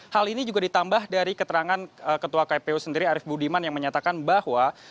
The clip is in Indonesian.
hal ini juga ditambah dari keterangan ketua kpu sendiri arief budiman yang menyatakan bahwa